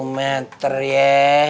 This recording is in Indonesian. delapan meter ya